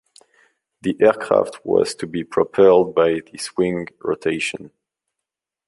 The aircraft was to be propelled by this wing rotation.